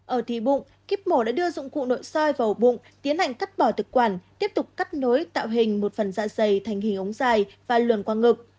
ở thị bụng kíp mổ đã đưa dụng cụ nội soi vào bụng tiến hành cắt bỏ thực quản tiếp tục cắt nối tạo hình một phần dạ dày thành hình ống dài và luồn qua ngực